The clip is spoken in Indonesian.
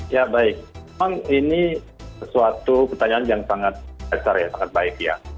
ya baik memang ini sesuatu pertanyaan yang sangat besar ya sangat baik ya